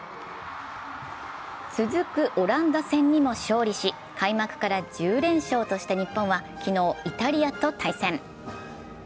続くオランダ戦にも勝利し開幕から１０連勝とした日本は昨日イタリアと対戦。